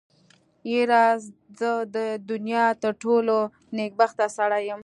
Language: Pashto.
يره زه د دونيا تر ټولو نېکبخته سړی يم.